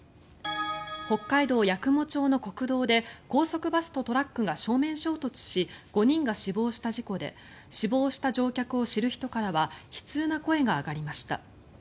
北海道八雲町の国道で高速バスとトラックが正面衝突し５人が死亡した事故で死亡した乗客を知る人からは悲痛な声が上がりました。